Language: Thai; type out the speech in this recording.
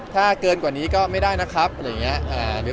ถ้าเกินกว่านี้ก็ไม่ได้นะครับหรือแบบนิดหน่อยก็ได้